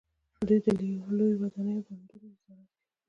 دوی د لویو ودانیو او بندونو نظارت کوي.